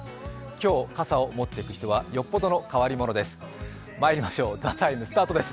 今日、傘を持っている人はよっぽどの変わり者です。